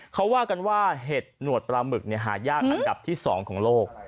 เขาว่ากันว่าเห็ดหนวดปลาหมึกหายากอันดับที่๒ของโลก